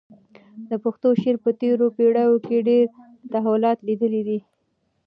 د پښتو شعر په تېرو پېړیو کې ډېر تحولات لیدلي دي.